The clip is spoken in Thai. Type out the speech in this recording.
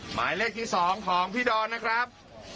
หมายเลขที่๒ของพี่ดอนนะครับ